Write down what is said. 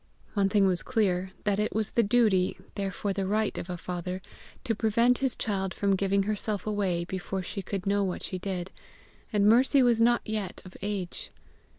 One thing was clear, that it was the duty, therefore the right of a father, to prevent his child from giving herself away before she could know what she did; and Mercy was not yet of age.